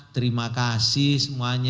terima kasih semuanya